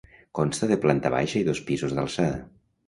Consta de planta baixa i dos pisos d'alçada.